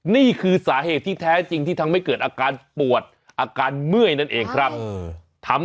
นี่คือสาเหตุที่แท้จริงที่ทำให้เกิดอาการปวดอาการเมื่อยนั่นเองครับ